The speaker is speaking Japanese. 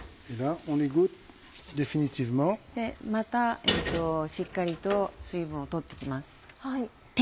またしっかりと水分を取って行きます。